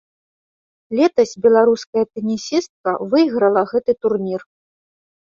Летась беларуская тэнісістка выйграла гэты турнір.